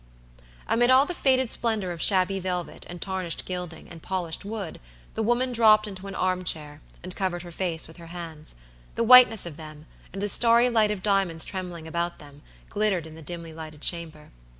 Amid all the faded splendor of shabby velvet, and tarnished gilding, and polished wood, the woman dropped into an arm chair, and covered her face with her hands. The whiteness of them, and the starry light of diamonds trembling about them, glittered in the dimly lighted chamber.